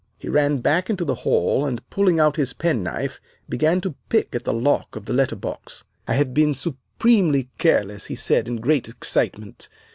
"He ran back into the hall, and, pulling out his penknife, began to pick at the lock of the letter box. "'I have been supremely careless,' he said in great excitement.